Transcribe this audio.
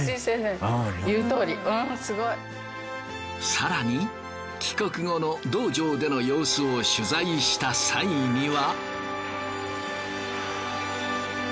更に帰国後の道場での様子を取材した際には。